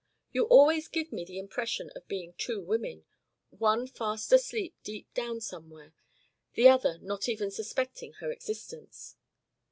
You always give me the impression of being two women, one fast asleep deep down somewhere, the other not even suspecting her existence."